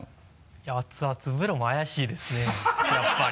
いや熱々風呂も怪しいですねやっぱり。